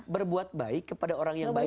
berbuat baik kepada orang yang baik